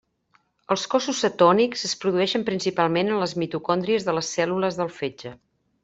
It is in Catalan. Els cossos cetònics es produeixen principalment en les mitocòndries de les cèl·lules del fetge.